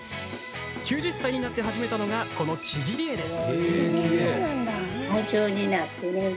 ９０歳になって始めたのがこの、ちぎり絵です。